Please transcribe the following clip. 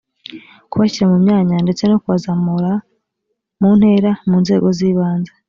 kubashyira mu myanya ndetse no kubazamura mu ntera mu nzego z ibanze